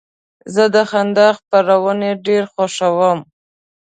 زه د خندا خپرونې ډېرې خوښوم.